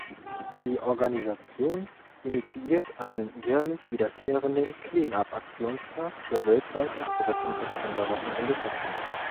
Die Organisation initiiert einen jährlich wiederkehrenden „Clean Up“-Aktionstag, der weltweit am dritten Septemberwochenende stattfindet.